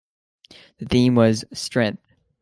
The theme was "strength".